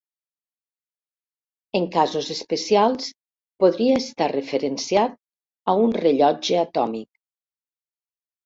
En casos especials podria estar referenciat a un rellotge atòmic.